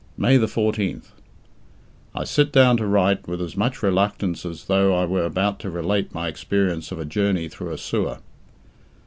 May 14th. I sit down to write with as much reluctance as though I were about to relate my experience of a journey through a sewer.